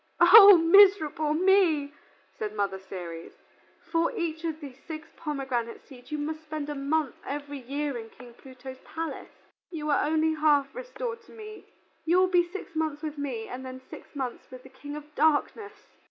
"O miserable me!" said Mother Ceres. "For each of these six pomegranate seeds you must spend a month every year in King Pluto's palace. You are only half restored to me; you will be six months with me and then six months with the King of Darkness!"